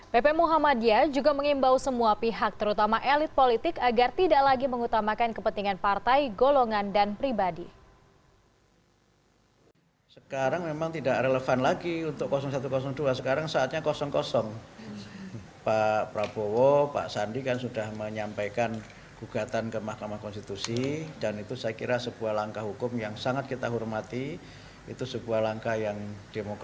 pp muhammadiyah juga mengimbau semua pihak terutama elit politik agar tidak lagi mengutamakan kepentingan partai golongan dan pribadi